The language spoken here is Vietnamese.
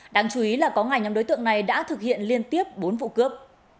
đáng chú ý là có ngày nhóm đối tượng này đã thực hiện liên tiếp bốn vụ cướp